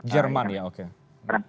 jerman ya oke